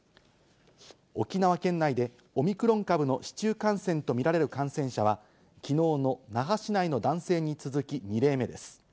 沖縄県内で、オミクロン株の市中感染と見られる感染者は、きのうの那覇市内の男性に続き２例目です。